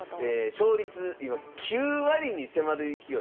勝率今９割に迫る勢い。